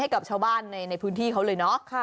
กับชาวบ้านในพื้นที่เขาเลยเนาะ